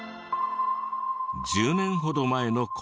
１０年ほど前の事。